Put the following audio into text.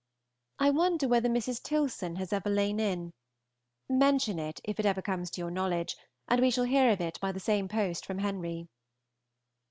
I wonder whether Mrs. Tilson has ever lain in. Mention it if it ever comes to your knowledge, and we shall hear of it by the same post from Henry.